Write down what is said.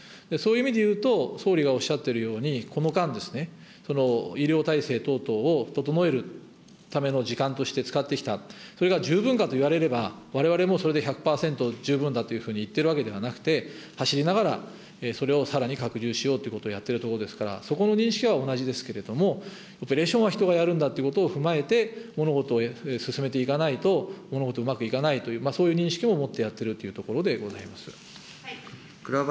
そういう意味で言うと、総理がおっしゃっているように、この間、医療体制等々を整えるための時間として使ってきた、それが十分かと言われれば、われわれもそれで１００％十分だというふうに言っているわけではなくて、走りながら、それをさらに拡充しようということをやっているところですから、そこの認識は同じですけれども、オペレーションは人がやるんだということを踏まえて、物事を進めていかないと、物事、うまくいかないと、そういう認識を持ってやっているというところでございます。